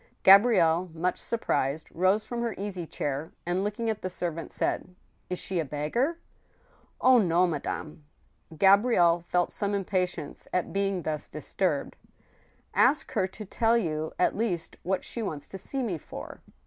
Gabrielle, much surprised, rose from her easy chair, and, looking at the servant, said : "Is she a beggar?" " Oh ! no, madame." Gabrielle felt some impatience at being thus disturbed. " Ask her to tell you, at least, what she wants to see me for."